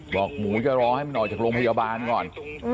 บอกหมูจะรอให้มันออกจากโรงพยาบาลก่อน